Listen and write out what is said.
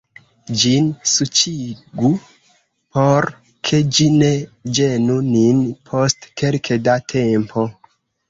Ĝin suĉigu, por ke ĝi ne ĝenu nin, post kelke da tempo.